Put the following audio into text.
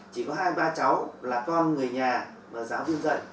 chỉ có hai ba cháu là con người nhà và giáo viên dạy